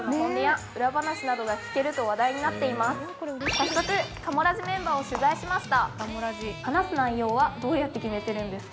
早速、かもラジメンバーを取材しました。